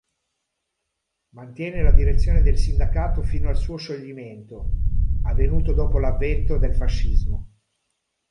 Mantiene la direzione del sindacato fino al suo scioglimento, avvenuto dopo l’avvento del fascismo.